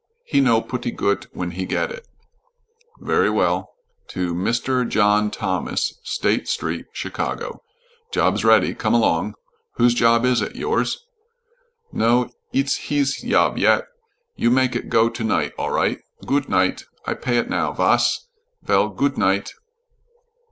He know putty goot when he get it." "Very well. 'To Mr. John Thomas, State Street, Chicago. Job's ready. Come along.' Who's job is it? Yours?" "No. It's hees yob yet. You mak it go to night, all right. Goot night. I pay it now, yas. Vell, goot night."